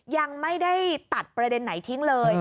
ยังไม่ได้ตัดประเด็นไหนทิ้งเลย